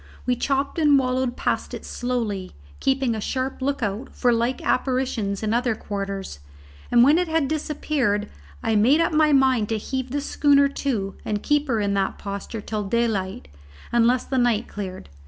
We chopped and wallowed past it slowly, keeping a sharp look out for like apparitions in other quarters, and when it had disappeared, I made up my mind to heave the schooner to and keep her in that posture till daylight, unless the night cleared.